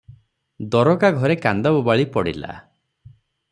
ଦରୋଗା ଘରେ କାନ୍ଦ ବୋବାଳି ପଡ଼ିଲା ।